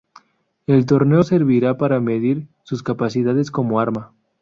El torneo servirá para medir sus capacidades como arma.